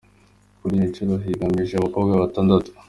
Kuri iyi nshuro hiyamamaje abakobwa batandatu:.